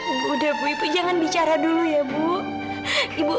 ibu udah ibu jangan bicara dulu ya ibu